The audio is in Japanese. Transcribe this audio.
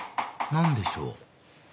何でしょう？